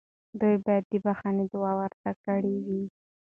دوی باید د بخښنې دعا ورته کړې وای.